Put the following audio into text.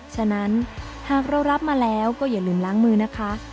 ฉะนั้นหากเรารับมาแล้วก็อย่าลืมล้างมือนะคะ